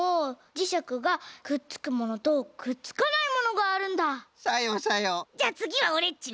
じゃあつぎはオレっちね。